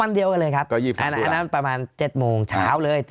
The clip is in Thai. วันเดียวกันเลยครับอันนั้นประมาณเจ็ดโมงเช้าเลย